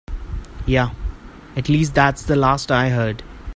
Yeah, at least that's the last I heard.